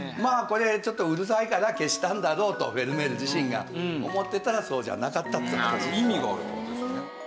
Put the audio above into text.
これちょっとうるさいから消したんだろうとフェルメール自身が思ってたらそうじゃなかったっていう事です。